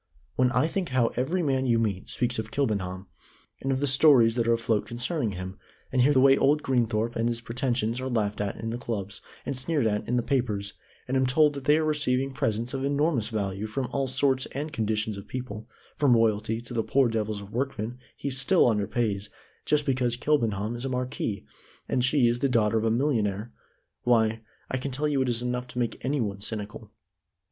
When I think how every man you meet speaks of Kilbenham, and of the stories that are afloat concerning him, and hear the way old Greenthorpe and his pretensions are laughed at in the clubs, and sneered at in the papers, and am told that they are receiving presents of enormous value from all sorts and conditions of people, from Royalty to the poor devils of workmen he still under pays just because Kilbenham is a marquis and she is the daughter of a millionaire, why, I can tell you it is enough to make any one cynical."